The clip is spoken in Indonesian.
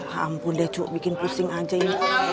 hampir lecuk bikin pusing aja ya